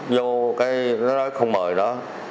vô cái nó nói không mời nó